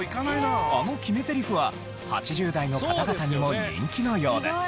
あの決めゼリフは８０代の方々にも人気のようです。